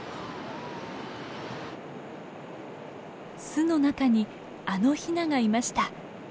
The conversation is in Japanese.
巣の中にあのヒナがいました。